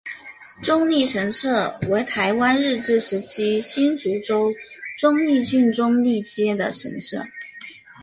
中坜神社为台湾日治时期新竹州中坜郡中坜街的神社。